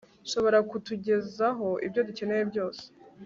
nshobora kutugezaho ibyo dukeneye byose